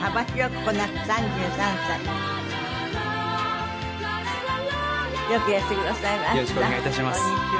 こんにちは。